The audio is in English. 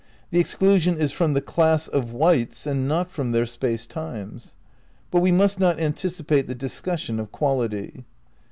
The exclusion is from the class of whites and not from their space times. But we must not anticipate the discussion of quality.